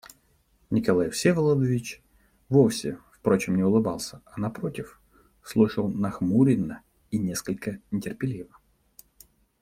Николай Всеволодович вовсе, впрочем, не улыбался, а, напротив, слушал нахмуренно и несколько нетерпеливо.